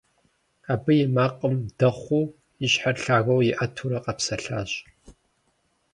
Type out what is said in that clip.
Абы и макъым дэхъуу и щхьэр лъагэу иӀэтурэ къэпсэлъащ.